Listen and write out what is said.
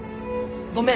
ごめん！